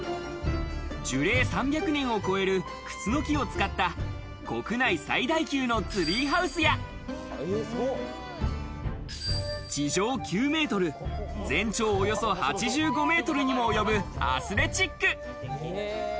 樹齢３００年を超えるクスノキを使った国内最大級のツリーハウスや地上９ｍ、全長およそ８５メートルにも及ぶアスレチック。